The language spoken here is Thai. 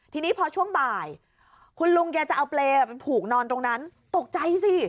ทีนี้พอช่วงบ่ายคุณลุงแกจะเอาเปรย์ไปผูกนอนตรงนั้นตกใจสิ